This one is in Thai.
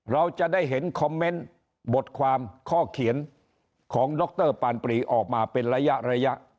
เราจะได้เห็นคอมเมนต์บทความข้อเขียนของดรปานปรีออกมาเป็นระยะระยะ